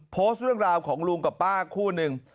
โพสต์เรื่องราวของลุงกับป้าคู่หนึ่ง